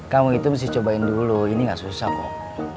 kamu itu mesti cobain dulu ini gak susah kok